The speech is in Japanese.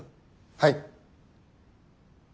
はい。